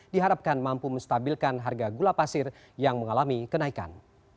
diharapkan mampu menstabilkan harga gula pasir yang mengalami kenaikan